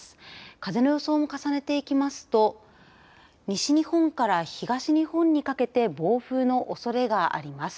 風の予想も重ねていきますと西日本から東日本にかけて暴風のおそれがあります。